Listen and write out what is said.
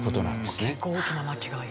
結構大きな間違いや。